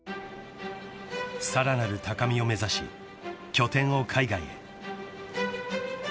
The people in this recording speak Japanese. ［さらなる高みを目指し拠点を海外へ］